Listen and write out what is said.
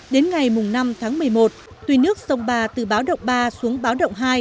đến ngày năm tháng một mươi một tuy nước sông ba từ báo động ba xuống báo động hai